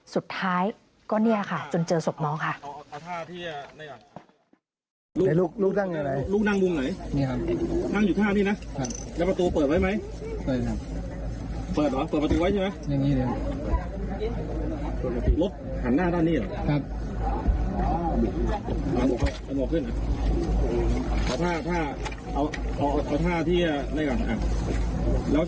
สุดท้ายก็เนี่ยค่ะจนเจอศพน้องค่ะ